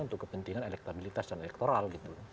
untuk kepentingan elektabilitas dan elektoral gitu